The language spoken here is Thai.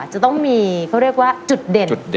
จะต้องมีเขาเรียกว่าจุดเด่น